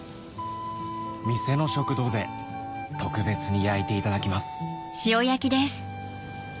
店の食堂で特別に焼いていただきます